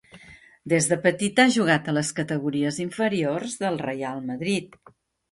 Des de petit ha jugat a les categories inferiors del Reial Madrid.